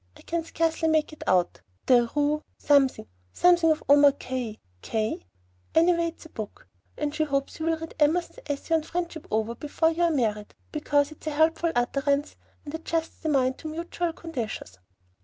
I can scarcely make it out, the Ru ru something of Omar Kay y Well, anyway it's a book, and she hopes you will read Emerson's 'Essay on Friendship' over before you are married, because it's a helpful utterance, and adjusts the mind to mutual conditions."